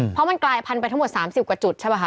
เพราะมันกลายพันธุไปทั้งหมด๓๐กว่าจุดใช่ป่ะค